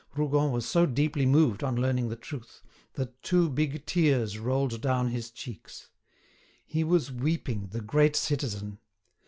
Rougon was so deeply moved on learning the truth, that two big tears rolled down his cheeks. He was weeping, the great citizen!